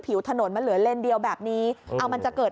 ผิวถนนมันเหลือเลนเดียวแบบนี้เอามันจะเกิด